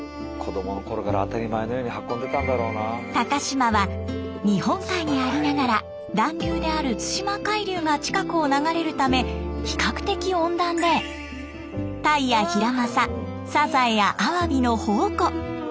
高島は日本海にありながら暖流である対馬海流が近くを流れるため比較的温暖でタイやヒラマササザエやアワビの宝庫。